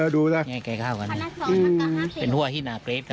ดูซะแค้นข้าวกันดูเป็นหัวที่หนาเกรชค่ะ